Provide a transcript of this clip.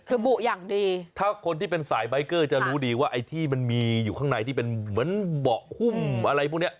คือบุอย่างดีถ้าคนที่เป็นสายใบเกอร์จะรู้ดีว่าไอ้ที่มันมีอยู่ข้างในที่เป็นเหมือนเบาะหุ้มอะไรพวกเนี้ย